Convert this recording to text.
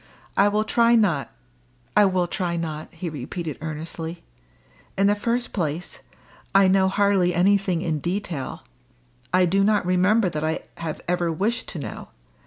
I will try not I will try not!" he repeated earnestly. "In the first place, I know hardly anything in detail. I do not remember that I have ever wished to know.